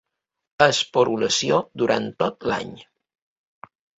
Esporulació durant tot l'any.